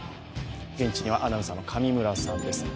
現地にはアナウンサーの上村さんです。